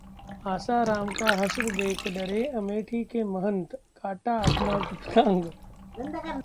आसाराम का हश्र देख डरे अमेठी के महंत, काटा अपना गुप्तांग